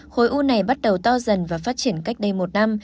khối u này bắt đầu to dần và phát triển cách đây một năm